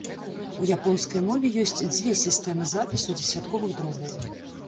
У японскай мове ёсць дзве сістэмы запісу дзесятковых дробаў.